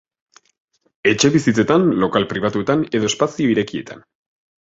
Etxebizitzetan, lokal pribatuetan edo espazio irekietan.